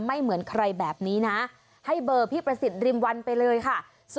เหมือนใครแบบนี้นะให้เบอร์พี่ประสิทธิริมวันไปเลยค่ะ